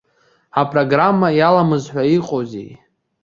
Ҳапрограмма иаламыз ҳәа иҟоузеи.